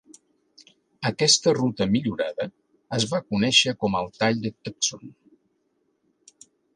Aquesta ruta millorada es va conèixer com el Tall de Tucson.